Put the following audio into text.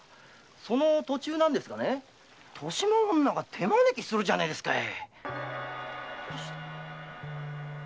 その途中で年増女が手招きするじゃねえですかい。